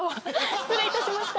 失礼いたしました。